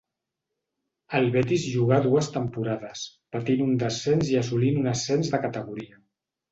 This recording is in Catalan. Al Betis jugà dues temporades, patint un descens i assolint un ascens de categoria.